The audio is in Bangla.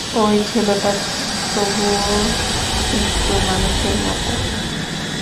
ঐ ছেলেটা তবু একটু মানুষের মতো।